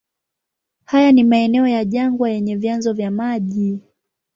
Haya ni maeneo ya jangwa yenye vyanzo vya maji.